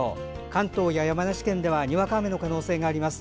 関東や山梨県ではにわか雨の可能性があります。